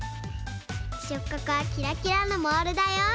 しょっかくはキラキラのモールだよ。